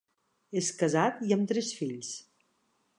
És casat i amb tres fills.